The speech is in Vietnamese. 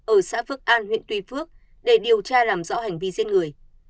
ở xã phước an huyện tuy phước để điều tra làm rõ hành vi giết người